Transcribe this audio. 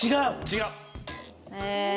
違う。